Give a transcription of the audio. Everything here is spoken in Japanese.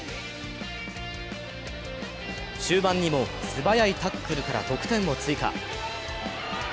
終盤にも素早いタックルから得点を追加。